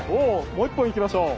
もう一本行きましょう。